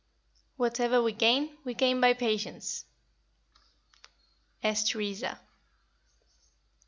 "Whatever we gain, we gain by patience." S. TERESA.